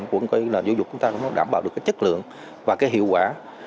cũng là giáo dục của chúng ta đảm bảo được cái chất lượng và cái hiệu quả